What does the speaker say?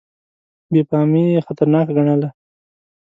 بې پامي یې خطرناکه ګڼله.